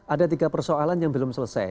ada tiga persoalan yang belum selesai